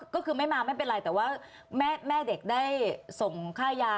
ก็คือไม่มาไม่เป็นไรแต่ว่าแม่เด็กได้ส่งค่ายา